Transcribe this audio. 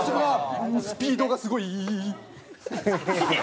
スピードがすごいー！